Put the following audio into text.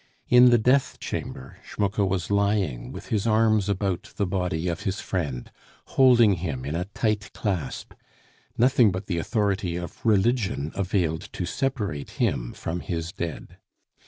In the death chamber Schmucke was lying with his arms about the body of his friend, holding him in a tight clasp; nothing but the authority of religion availed to separate him from his dead.